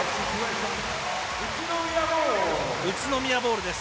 宇都宮ボールです。